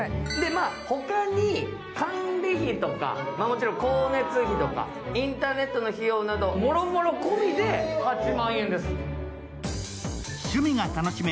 ほかに管理費とかもちろん光熱費とかインターネットの費用など、もろもろ込みで８万円ですもん。